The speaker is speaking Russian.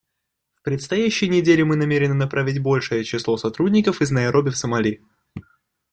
В предстоящие недели мы намерены направить большее число сотрудников из Найроби в Сомали.